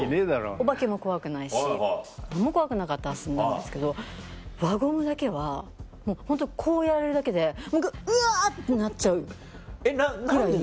オバケも怖くないし何も怖くなかったはずなんですけど輪ゴムだけはもうホントこうやられるだけでうわ！ってなっちゃうぐらい。